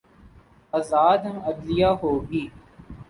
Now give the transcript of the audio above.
آزاد عدلیہ ہو گی۔